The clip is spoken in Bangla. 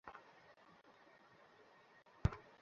অতএব, তোমরা আল্লাহর অনুগ্রহ স্মরণ কর।